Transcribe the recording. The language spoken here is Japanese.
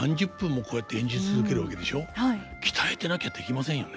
鍛えてなきゃできませんよね。